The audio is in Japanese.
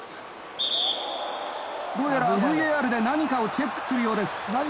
どうやらＶＡＲで何かをチェックするようです。